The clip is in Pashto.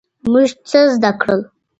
موږ څه زده کړل؟